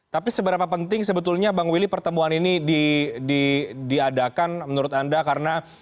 tapi seberapa penting sebetulnya bang willy pertemuan ini diadakan menurut anda karena